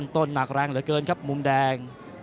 ต้นหนักแรงเหลือเกินครับมุมแดง